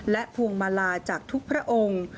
และพวงมาลาจากทุกพระองค์